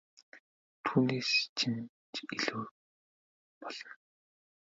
Түүнээс чинь ч илүү юм болно!